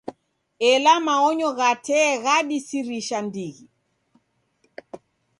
Ela maonyo gha tee ghadisirisha ndighi.